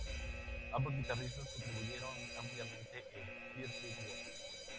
Ambos guitarristas contribuyeron ampliamente en "Dirty Work.